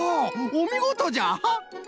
おみごとじゃ！